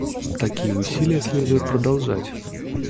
Такие усилия следует продолжать.